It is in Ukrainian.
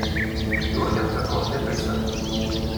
Дурням закон не писаний.